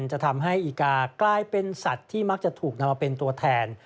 จะทำให้อีกากลายเป็นสัตว์ที่มักจะถูกนำมาเป็นตัวแทน